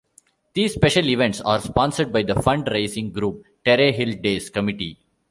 These special events are sponsored by the fund raising group Terre Hill Days Committee.